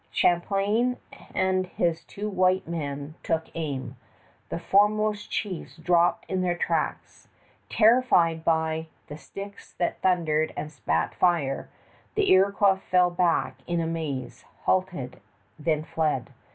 Champlain and his two white men took aim. The foremost chiefs dropped in their tracks. Terrified by "the sticks that thundered and spat fire," the Iroquois fell back in amaze, halted, then fled.